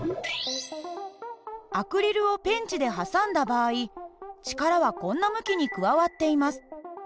アクリルをペンチで挟んだ場合力はこんな向きに加わっています。